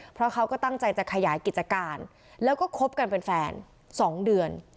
เพราะเขาก็ตั้งใจจะขยายกิจการแล้วก็คบกันเป็นแฟน๒เดือน